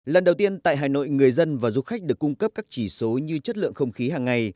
lần đầu tiên tại hà nội người dân và du khách được cung cấp các chỉ số như chất lượng không khí hàng ngày